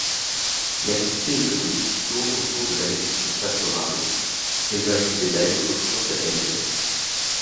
L’activité économique tourne au tour de l’agriculture pastorale, élevage du bétail et production céréalière.